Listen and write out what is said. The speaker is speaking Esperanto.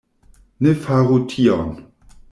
Ne faru tion!